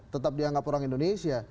tetap dianggap orang indonesia